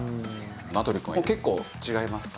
名取くんはもう結構違いますか？